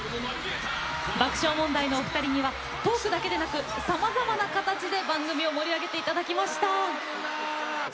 爆笑問題のお二人にはトークだけでなくさまざまな形で番組を盛り上げていただきました。